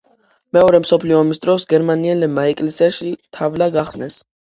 მეორე მსოფლიო ომის დროს გერმანელებმა ეკლესიაში თავლა გახსნეს.